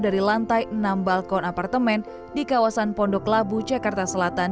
dari lantai enam balkon apartemen di kawasan pondok labu jakarta selatan